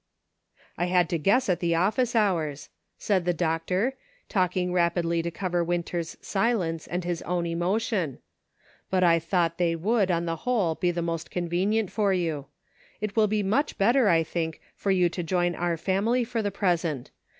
I had to guess at the office hours," said the doctor, talking rapidly to cover Winter's silence and his own emotion, "but I thought they would, on the whole, be the most convenient for you. It will be much better, I think, for you to join our family for the present.